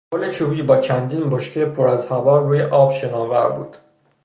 پل چوبی با چندین بشکهی پر از هوا روی آب شناور بود.